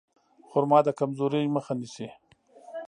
خرما د کمزورۍ مخه نیسي.